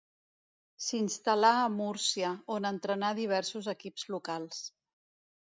S'instal·là a Múrcia, on entrenà diversos equips locals.